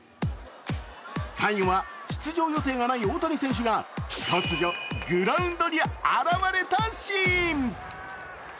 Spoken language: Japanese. ３位は出場予定がない大谷選手がグラウンドに現れたシーン。